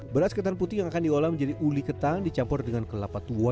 beras ketan putih yang akan diolah menjadi uli ketan dicampur dengan kelapa tua